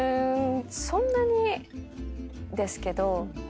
そんなにですけど。